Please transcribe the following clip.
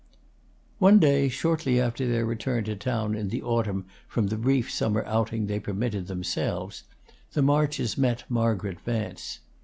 One day, shortly after their return to town in the autumn from the brief summer outing they permitted themselves, the Marches met Margaret Vance.